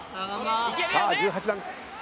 さあ１８段。